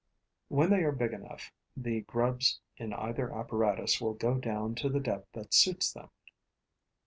When they are big enough, the grubs in either apparatus will go down to the depth that suits them.